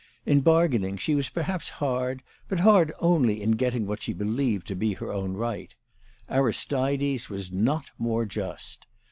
In bargaining she was perhaps hard, but hard only in getting what she believed to be her own right. Aristides was not more just.